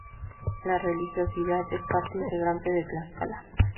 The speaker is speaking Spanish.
La religiosidad es parte integrante de Tlaxcala.